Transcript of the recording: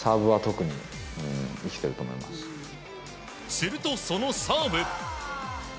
すると、そのサーブ。